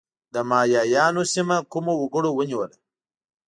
د مایایانو سیمه کومو وګړو ونیوله؟